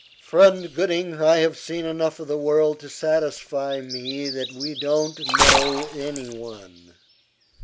"Friend Gooding, I have seen enough of the world to satisfy me that we don't know any one.